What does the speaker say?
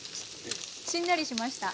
しんなりしました。